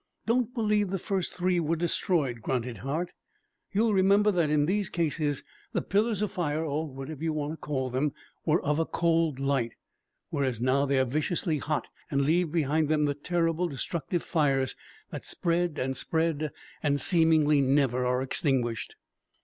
"Don't believe the first three were destroyed," grunted Hart. "You'll remember that in these cases the pillars of fire, or whatever you want to call them, were of a cold light, whereas now they are viciously hot and leave behind them the terrible destructive fires that spread and spread and seemingly never are extinguished.